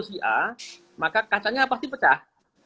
si a maka kacanya pasti pecah